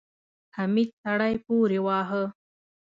حميد سړی پورې واهه.